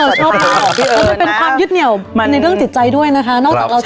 พี่เอิญนะแล้วมันเป็นความยึดเหนี่ยวมันในเรื่องจิตใจด้วยนะคะ